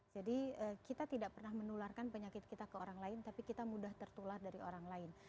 jadi kita tidak pernah menularkan penyakit kita ke orang lain tapi kita mudah tertular dari orang lain